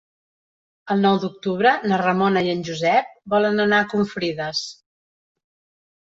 El nou d'octubre na Ramona i en Josep volen anar a Confrides.